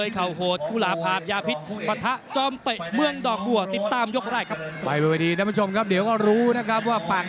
ดอกหัวติดตามยกได้ครับ